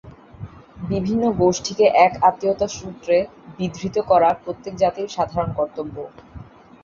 বিভিন্ন গোষ্ঠীকে এক আত্মীয়তাসূত্রে বিধৃত করা প্রত্যেক জাতির সাধারণ কর্তব্য।